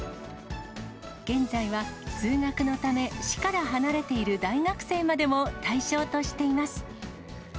現在は通学のため、市から離れている大学生までも対象としています。